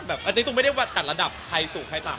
อันนี้ตูมไม่ได้ว่าจัดระดับใครสูงใครต่ำ